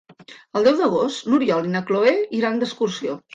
El deu d'agost n'Oriol i na Cloè iran d'excursió.